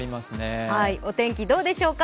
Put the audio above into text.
お天気、どうでしょうか？